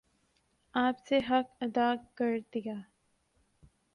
آپ نے حق ادا کر دیا